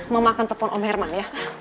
mama akan telpon om herman ya